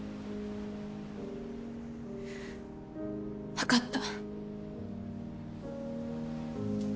分かった。